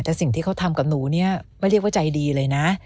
แต่สิ่งที่เขาทำกับหนูเนี่ยไม่เรียกว่าใจดีเลยนะ